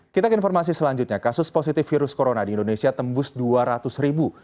kita ke informasi selanjutnya kasus positif virus corona di indonesia tembus dua ratus ribu